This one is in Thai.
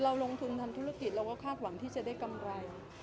เราลงทุนทำธุรกิจเราก็คาดหวังที่จะได้กำไร